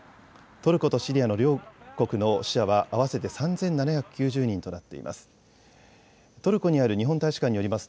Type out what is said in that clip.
トルコとシリアの両国の死者は合わせて３７９０人となっています。